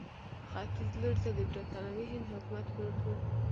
ختیځ لوري ته د برټانوي هند حکومت پروت وو.